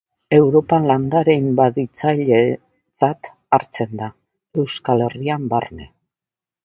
Europan landare inbaditzailetzat hartzen da, Euskal Herrian barne.